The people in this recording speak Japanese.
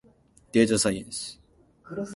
でーたさいえんす。